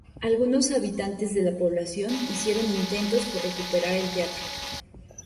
Algunos habitantes de la población hicieron intentos por recuperar el teatro.